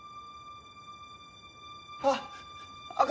あっ！